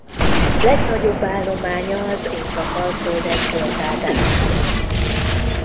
Legnagyobb állománya az Észak-Alföld egy holtágánál él.